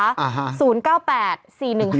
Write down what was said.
อ่าฮะ